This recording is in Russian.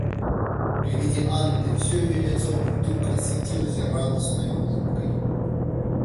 При виде Анны всё ее лицо вдруг осветилось радостною улыбкой.